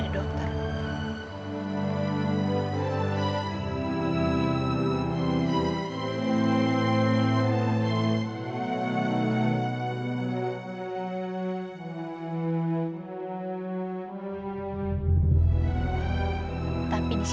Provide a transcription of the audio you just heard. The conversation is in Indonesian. saya tidak tahu apa apa bahwacosnya mau masuknya ini